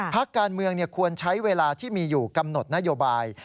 พักการเมืองควรใช้เวลาที่มีอยู่กำหนดนโยบาย